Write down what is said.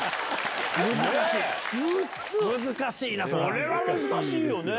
これは難しいよね！